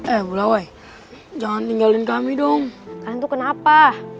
eh bula woi jangan tinggalin kami dong kan tuh kenapa